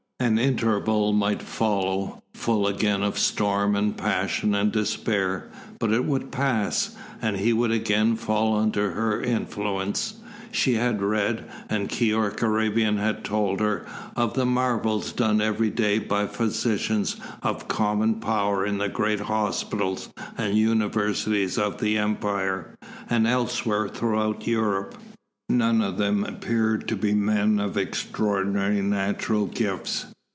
An interval might follow, full again of storm and passion and despair; but it would pass, and he would again fall under her influence. She had read, and Keyork Arabian had told her, of the marvels done every day by physicians of common power in the great hospitals and universities of the Empire, and elsewhere throughout Europe. None of them appeared to be men of extraordinary natural gifts.